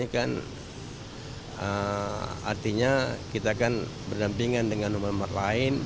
playitz dalam abad golongan kra latin